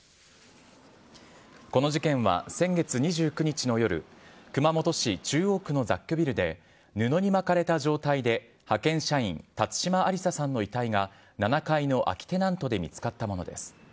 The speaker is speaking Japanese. この事件は先月２９日の夜、熊本市中央区の雑居ビルで、布に巻かれた状態で派遣社員、辰島ありささんの遺体が７階の空きテナントで見つかったものです。